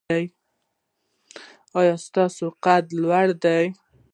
ایا ستاسو قد لوړ دی؟